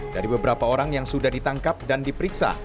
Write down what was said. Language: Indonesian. dari beberapa orang yang sudah ditangkap dan diperiksa